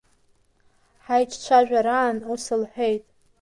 Ҳаиҿцәажәараан ус лҳәеит…